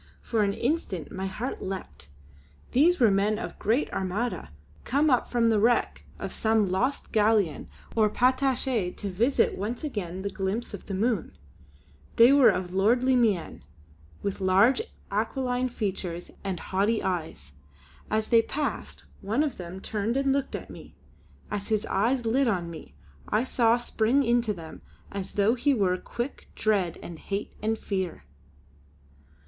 For an instant my heart leapt; these were men of the great Armada, come up from the wreck of some lost galleon or patache to visit once again the glimpses of the Moon. They were of lordly mien, with large aquiline features and haughty eyes. As they passed, one of them turned and looked at me. As his eyes lit on me, I saw spring into them, as though he were quick, dread, and hate, and fear.